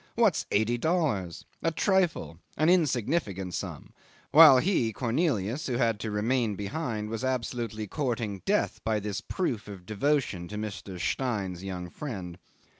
What's eighty dollars? A trifle. An insignificant sum. While he, Cornelius, who had to remain behind, was absolutely courting death by this proof of devotion to Mr. Stein's young friend.